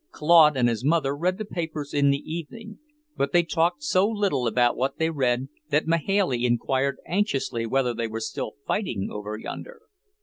Claude and his mother read the papers in the evening, but they talked so little about what they read that Mahailey inquired anxiously whether they weren't still fighting over yonder.